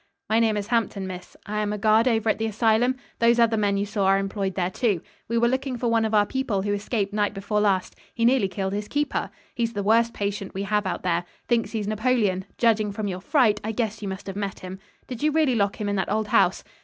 "My name is Hampton, miss. I am a guard over at the asylum. Those other men you saw are employed there, too. We were looking for one of our people who escaped night before last. He nearly killed his keeper. He's the worst patient we have out there. Thinks he's Napoleon. Judging from your fright, I guess you must have met him. Did you really lock him in that old house?"